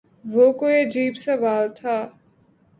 وہ کوئی عجیب سوال تھا